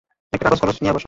একটা কাগজ কলস নিয়ে বসো।